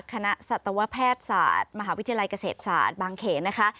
สัตวแพทย์ศาสตร์มหาวิทยาลัยเกษตรศาสตร์บางเขนนะคะ